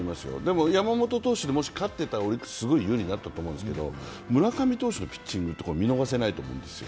もし山本投手で勝ってたらオリックス、すごい有利になったと思うんですけど、村上投手のピッチング、見逃せないと思うんですよ。